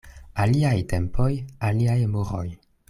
Aliaj tempoj, aliaj moroj.